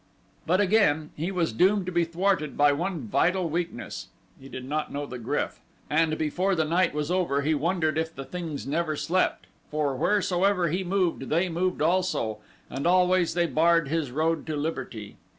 But again he was doomed to be thwarted by one vital weakness he did not know the GRYF, and before the night was over he wondered if the things never slept, for wheresoever he moved they moved also, and always they barred his road to liberty.